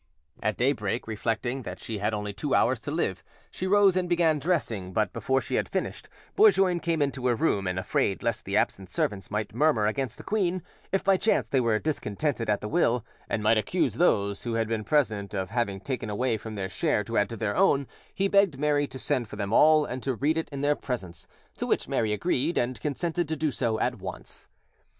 At daybreak, reflecting that she had only two hours to live, she rose and began dressing, but before she had finished, Bourgoin came into her room, and, afraid lest the absent servants might murmur against the queen, if by chance they were discontented at the will, and might accuse those who had been present of having taken away from their share to add to their own, he begged Mary to send for them all and to read it in their presence; to which Mary agreed, and consented to do so at once.